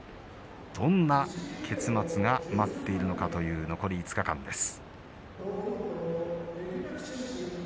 どんな結末が待っているのかという残り５日間です。